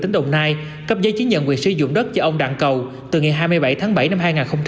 tỉnh đồng nai cấp giấy chứng nhận quyền sử dụng đất cho ông đặng cầu từ ngày hai mươi bảy tháng bảy năm hai nghìn hai mươi